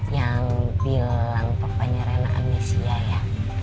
yang bilang pokoknya rena amnesia ya